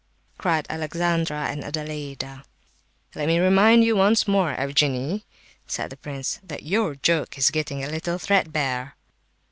cried Alexandra and Adelaida. "Let me remind you once more, Evgenie," said Prince S., "that your joke is getting a little threadbare."